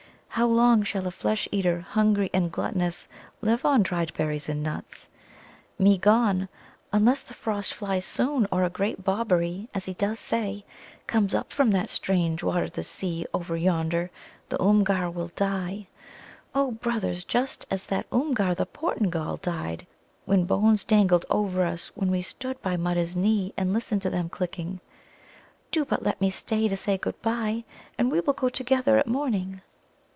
How long shall a flesh eater, hungry and gluttonous, live on dried berries and nuts? Me gone; unless the frost flies soon, or a great Bobberie, as he does say, comes up from that strange water, the Sea, over yonder, the Oomgar will die. O brothers, just as that Oomgar, the Portingal, died whose bones dangled over us when we stood by Mutta's knee and listened to them clicking. Do but let me stay to say good bye, and we will go together at morning!"